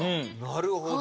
なるほど。